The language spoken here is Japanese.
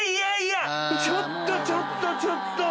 ちょっとちょっとちょっと！